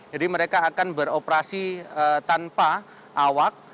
jadi mereka akan beroperasi tanpa awak